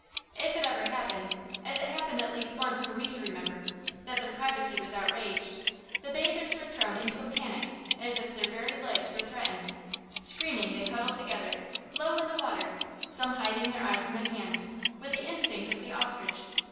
If it ever happened, as it happened at least once for me to remember, that their privacy was outraged, the bathers were thrown into a panic as if their very lives were threatened. Screaming, they huddled together, low in the water, some hiding their eyes in their hands, with the instinct of the ostrich.